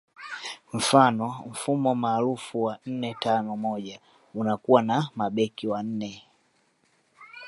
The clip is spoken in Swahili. Mfano mfumo maarufu wa nne tano moja unakuwa na mabeki wanne